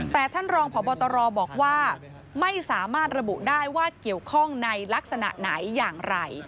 แต่ท่านรองพบตรบอกว่าไม่สามารถระบุได้ว่าเกี่ยวข้องในลักษณะไหนอย่างไร